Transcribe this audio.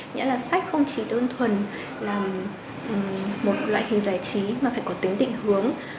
nghĩa là sách không chỉ đơn thuần là một loại hình giải trí mà phải có tính định hướng